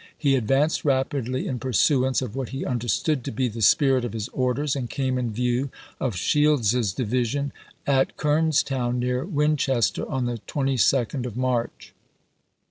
He advanced rapidly in pursuance of what he understood to be the spirit of his orders, and came in view of Shields's division at Kernstown, near Winchester, on the 22d of March.